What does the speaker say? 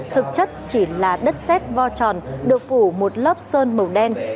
thực chất chỉ là đất xét vo tròn được phủ một lớp sơn màu đen